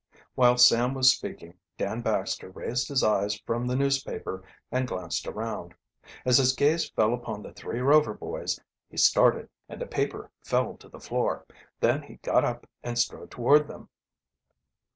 While Sam was speaking Dan Baxter raised his eyes from the newspaper and glanced around. As his gaze fell upon the three Rover boys he started and the paper fell to the floor, then he got up and strode toward them.